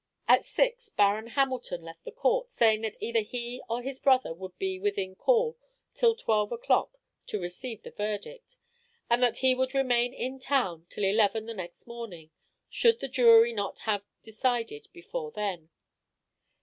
At six Baron Hamilton left the court, saying that either he or his brother would be within call till twelve o'clock to receive the verdict, and that he would remain in town till eleven the next morning, should the jury not have decided before then.